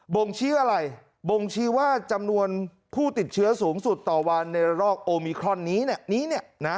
บ่งชี้อะไรบ่งชี้ว่าจำนวนผู้ติดเชื้อสูงสุดต่อวันในระลอกโอมิครอนนี้เนี่ยนะ